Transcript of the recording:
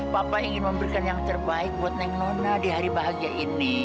bapak ingin memberikan yang terbaik buat neng nona di hari bahagia ini